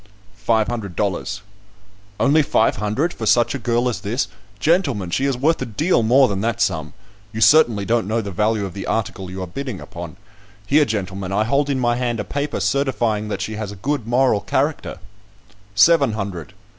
"Five hundred dollars." "Only five hundred for such a girl as this? Gentlemen, she is worth a deal more than that sum; you certainly don't know the value of the article you are bidding upon. Here, gentlemen, I hold in my hand a paper certifying that she has a good moral character." "Seven hundred."